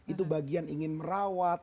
itu bagian ingin merawat